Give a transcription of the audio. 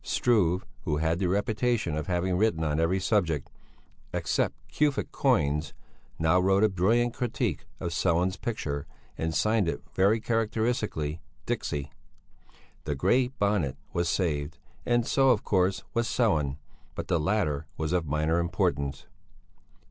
Struve, who had the reputation of having written on every subject except cufic coins now wrote a brilliant critique of Sellén's picture and signed it very characteristically Dixi. The Grey Bonnet was saved; and so, of course, was Sellén; but the latter was of minor importance.